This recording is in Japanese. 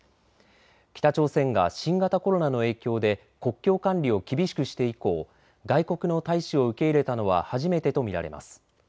北朝鮮が新型コロナの影響で国境管理を厳しくして以降、外国の大使を受け入れたのは初めてと見られます。